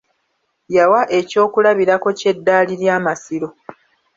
Yawa eky'okulabirako ky'eddaali ly'Amasiro